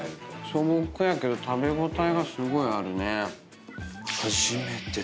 素朴やけど食べ応えがすごいあるね。